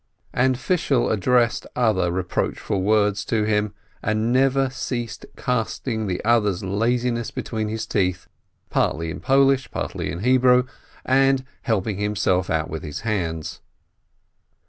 And Fishel addressed other reproachful words to him, and never ceased casting the other's laziness between his teeth, partly in Polish, partly in Hebrew, and help ing himself out with his hands.